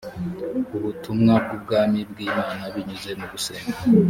ubutumwa bw ubwami bw imana binyuze mugusenga